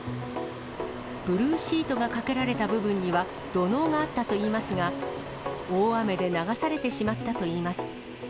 ブルーシートがかけられた部分には、土のうがあったといいますが、大雨で流されてしまったといいます。